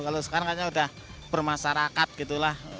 kalau sekarang kayaknya udah bermasyarakat gitu lah